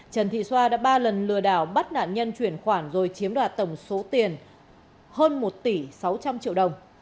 trần thị xoa đã ba lần lừa đảo bắt nạn nhân chuyển khoản rồi chiếm đoạt tổng số tiền hơn một tỷ sáu trăm linh triệu đồng